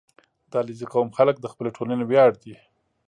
• د علیزي قوم خلک د خپلې ټولنې ویاړ دي.